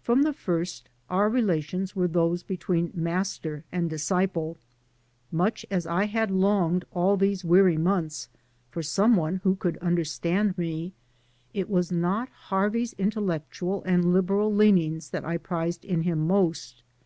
From the first our relations were those between master and disciple. Much as I had longed all these weary months for some one who could understand me, it was not Harvey's intellectual and liberal leanings that I prized in him most.